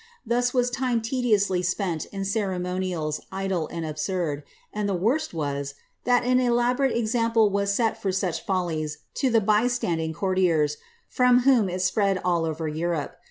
I'hus was tune tediously spent in cerenaonials idle and absurd ; and the worst was, that an elaborate example was set' for such follies to the by standing coQrtiers, from whom it spread all over Europe.